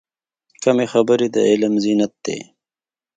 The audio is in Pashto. کمې خبرې، د علم زینت دی.